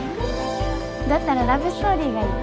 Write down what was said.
だったらラブストーリーがいい！